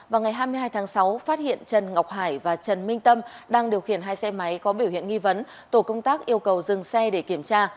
vào ngày hai mươi hai tháng sáu phát hiện trần ngọc hải và trần minh tâm đang điều khiển hai xe máy có biểu hiện nghi vấn tổ công tác yêu cầu dừng xe để kiểm tra